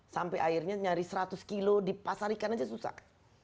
sampai akhirnya nyaris seratus kilo dipasarikan saja susah